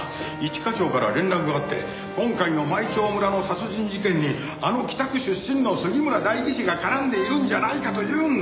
課長から連絡があって今回の舞澄村の殺人事件にあの北区出身の杉村代議士が絡んでいるんじゃないかと言うんだよ！